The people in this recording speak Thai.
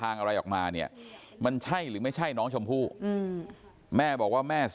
นั่งนั่งนั่งนั่งนั่งนั่งนั่งนั่งนั่งนั่งนั่งนั่งนั่งนั่งนั่ง